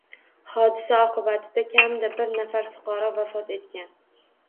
Hodisa oqibatida kamida bir nafar fuqaro vafot etgan